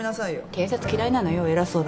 警察嫌いなのよ偉そうだから。